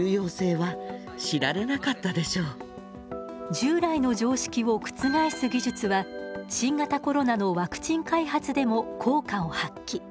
従来の常識を覆す技術は新型コロナのワクチン開発でも効果を発揮。